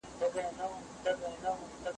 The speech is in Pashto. هغه ټولنه چې پوهه لري، پرمختګ کوي.